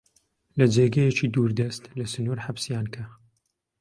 لە جێگەیەکی دووردەست، لە سنوور حەبسیان کە!